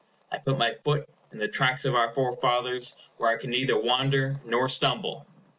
I put my foot in the tracks of our forefathers, where I can neither wander nor stumble.